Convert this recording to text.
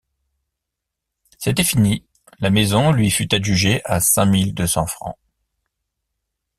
C’était fini, la maison lui fut adjugée à cinq mille deux cents francs.